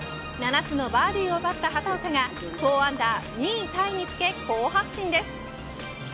７つのバーディーを奪った畑岡が４アンダー２位タイにつけ好発進です。